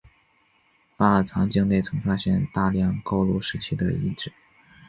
巴尔藏境内曾发现大量高卢时期的遗址。